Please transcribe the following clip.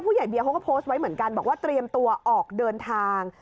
ใหญ่เบียเขาก็โพสต์ไว้เหมือนกันบอกว่าเตรียมตัวออกเดินทาง